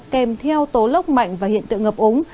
kèm theo tố lốc mạnh và hiện tượng ngập úng